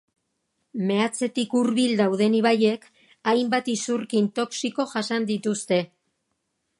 Meatzetik hurbil dauden ibaiek hainbat isurkin toxiko jasan dituzte.